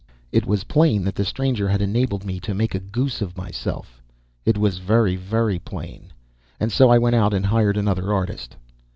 It was plain that that stranger had enabled me to make a goose of myself. It was very, very plain; and so I went out and hired another artist.